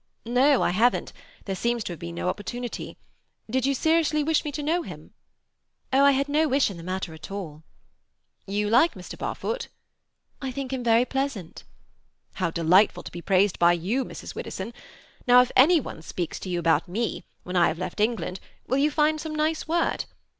"No, I haven't. There seems to have been no opportunity. Did you seriously wish me to know him?" "Oh, I had no wish in the matter at all." "You like Mr. Barfoot?" "I think him very pleasant." "How delightful to be praised by you, Mrs. Widdowson! Now if any one speaks to you about me, when I have left England, will you find some nice word?